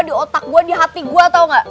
di otak gue di hati gue tau nggak